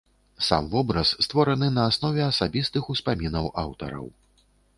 Сам вобраз створаны на аснове асабістых успамінаў аўтараў.